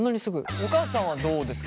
お母さんはどうですか？